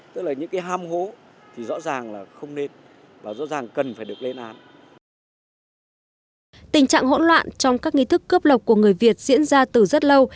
tình trạng hỗn loạn trong các nghi thức cướp lọc của người việt diễn ra từ rất lâu